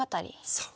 そう。